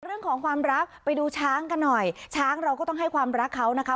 เรื่องของความรักไปดูช้างกันหน่อยช้างเราก็ต้องให้ความรักเขานะคะ